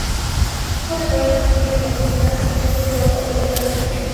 Hijo natural de una humilde campesina, se vio forzado a trabajar desde pequeño.